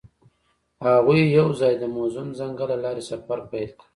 هغوی یوځای د موزون ځنګل له لارې سفر پیل کړ.